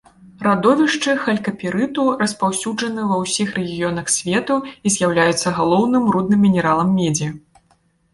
Радовішчы халькапірыту распаўсюджаны ва ўсіх рэгіёнах свету і з'яўляюцца галоўным рудным мінералам медзі.